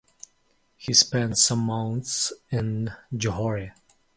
He spent some months in Johore.